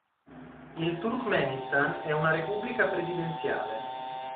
Il Turkmenistan è una repubblica presidenziale.